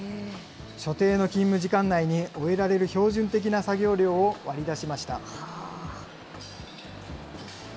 所定の勤務時間内に終えられる標準的な作業量を割り出しました。